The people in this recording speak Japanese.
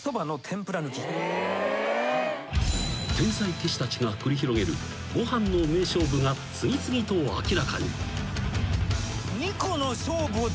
［天才棋士たちが繰り広げるごはんの名勝負が次々と明らかに］